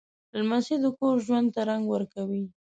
لمسی د کور ژوند ته رنګ ورکوي.